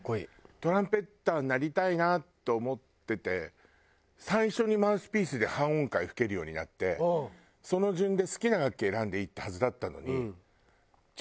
トランペッターになりたいなと思ってて最初にマウスピースで半音階吹けるようになってその順で好きな楽器選んでいいってはずだったのに。